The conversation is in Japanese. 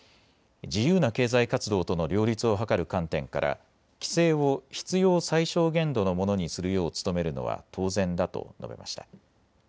自由な経済活動との両立を図る観点から規制を必要最小限度のものにするよう努めるのは当然だと述べました。